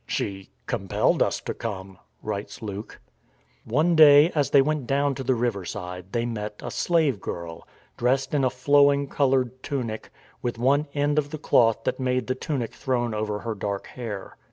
" She compelled us to come," writes Luke. One day, as they went down to the riverside, they met a slave girl, dressed in a flowing coloured tunic, with one end of the cloth that made the tunic thrown over her dark hair.